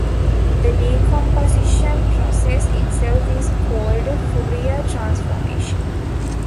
The decomposition process itself is called a Fourier transformation.